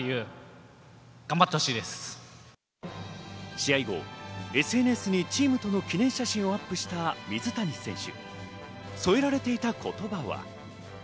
試合後、ＳＮＳにチームとの記念写真をアップした水谷選手。